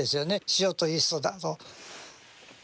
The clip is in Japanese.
塩とイーストだと。